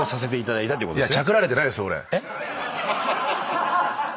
えっ？